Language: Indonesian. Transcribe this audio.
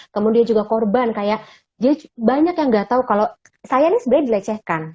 kemudian juga korban kayak dia banyak yang nggak tahu kalau saya ini sebenarnya dilecehkan